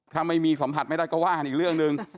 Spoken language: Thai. ถ้าไม่มีสัมผัสไม่ได้ก็ว่ากันอีกเรื่องหนึ่ง